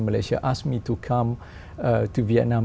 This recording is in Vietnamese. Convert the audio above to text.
hỏi tôi đến việt nam